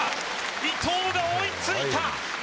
伊藤が追いついた。